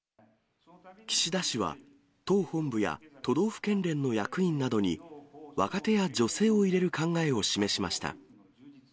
岸田氏は、党本部や都道府県連の役員などに、若手や女性を入れる考えを示しました。